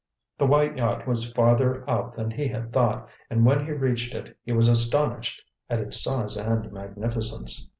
The white yacht was farther out than he had thought, and when he reached it, he was astonished at its size and magnificence.